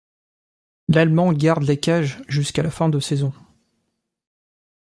L'Allemand garde les cages jusqu'à la fin de saison.